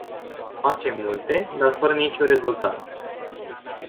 Facem multe, dar fără niciun rezultat.